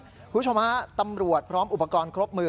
คุณผู้ชมฮะตำรวจพร้อมอุปกรณ์ครบมือ